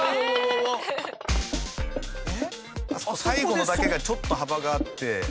最後のだけがちょっと幅があって。